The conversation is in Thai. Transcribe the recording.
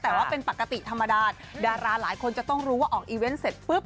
แต่ว่าเป็นปกติธรรมดาดาราหลายคนจะต้องรู้ว่าออกอีเวนต์เสร็จปุ๊บ